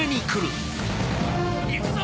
行くぞ！